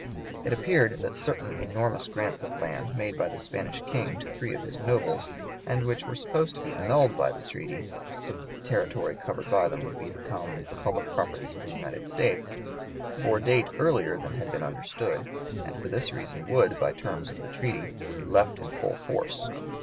It appeared that certain enormous grants of land, made by the Spanish king to three of his nobles, and which were supposed to be annulled by the treaty, so that the territory covered by them would become the public property of the United States, bore date earlier than had been understood, and for this reason would, by the terms of the treaty, be left in full force.